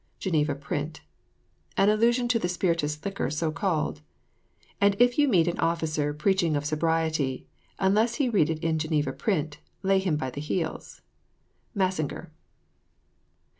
GENEVA PRINT. An allusion to the spirituous liquor so called, "And if you meet An officer preaching of sobriety, Unless he read it in Geneva print, Lay him by the heels." _Massinger.